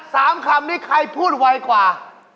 คำนี้ใครพูดไวกว่า